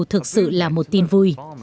thực sự là một tin vui